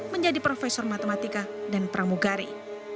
menjadi profesor matematika dan pramugari